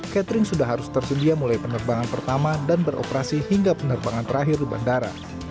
catering sudah harus tersedia mulai penerbangan pertama dan beroperasi hingga penerbangan terakhir di bandara